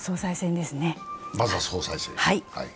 まずは総裁選。